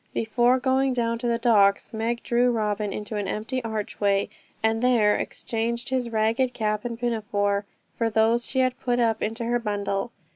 Before going down to the docks Meg drew Robin into an empty archway, and there exchanged his ragged cap and pinafore for those she had put up into her bundle.